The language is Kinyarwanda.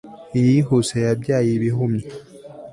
iyihuse yabyaye ibihumye